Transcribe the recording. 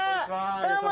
どうも！